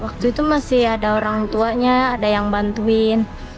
waktu itu masih ada orang tuanya ada yang bantuin